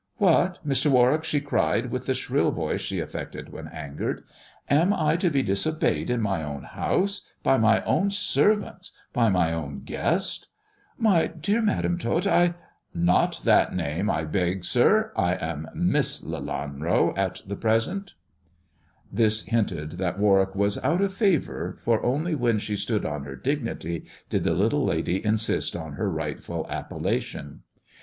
" What, Mr. Warwick !" she cried, with the shrill voice she affected when angered. " Am I to be disobeyed in my own house, by my own servants — by my own guest ?"" My dear Madam Tot, I " "Not that name, I beg, sir. I am Miss Lelanro at present." THE dwarf's chamber 45 This hinted that Warwick was out of favoiir, for only when she stood on her dignity did the little lady insist on her rightful appellation.